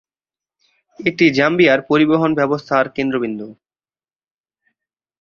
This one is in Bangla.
এটি জাম্বিয়ার পরিবহন ব্যবস্থার কেন্দ্রবিন্দু।